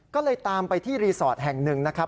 ก็เลยตามไปที่รีสอร์ทแห่งหนึ่งนะครับ